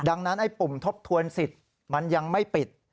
ดังนั้นไอ้ปุ่มทบทวนสิทธิ์มันยังไม่ปิด